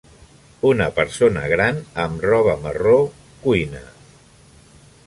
Una persona gran amb roba marró cuina.